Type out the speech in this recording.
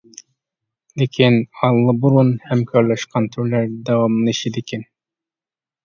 لېكىن، ئاللىبۇرۇن ھەمكارلاشقان تۈرلەر داۋاملىشىدىكەن.